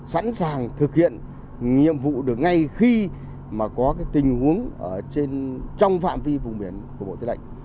sẵn sàng thực hiện nhiệm vụ được ngay khi có tình huống trong phạm vi vùng biển của bộ tư lệnh